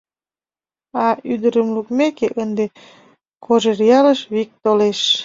А, ӱдырым лукмеке, ынде Кожеръялыш вик толеш.